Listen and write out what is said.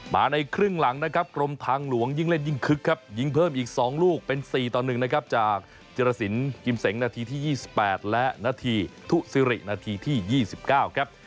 ในครึ่งหลังนะครับกรมทางหลวงยิ่งเล่นยิ่งคึกครับยิงเพิ่มอีก๒ลูกเป็น๔ต่อ๑นะครับจากจิรสินกิมเสงนาทีที่๒๘และนาทีทุซิรินาทีที่๒๙ครับ